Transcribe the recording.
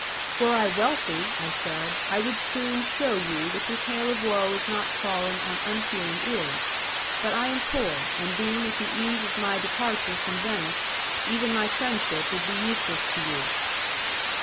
"Were I wealthy," I said, "I would soon shew you that your tale of woe has not fallen on unfeeling ears; but I am poor, and, being at the eve of my departure from Venice, even my friendship would be useless to you."